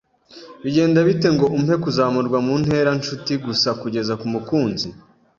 Bigenda bite ngo umpe kuzamurwa mu ntera-nshuti gusa kugeza ku mukunzi?